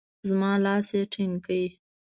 زما لاس يې ټينګ کړ.